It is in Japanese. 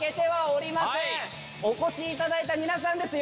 お越しいただいた皆さんです